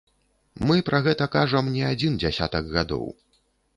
Мы пра гэта кажам не адзін дзясятак гадоў!